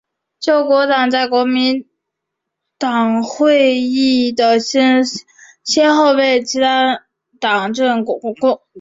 救国党在国民议会的议席随后被其它政党瓜分。